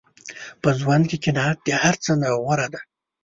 په ژوند کې قناعت د هر څه نه غوره دی.